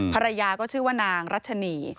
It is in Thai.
ภรรยาก็ชื่อว่านางรัชนี